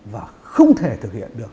và không thể thực hiện được